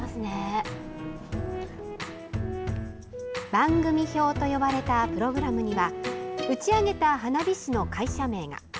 番組表と呼ばれたプログラムには打ち上げた花火師の会社名が。